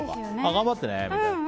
頑張ってねみたいな。